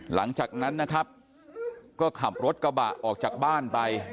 หลังจากนั้นนะครับก็ขับรถกระบะออกจากบ้านไป